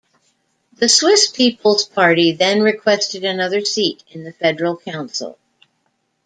The Swiss People's party then requested another seat in the Federal Council.